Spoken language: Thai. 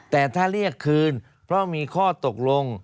แต่ถ้าเรียกคืนเพราะมีข้อตกลง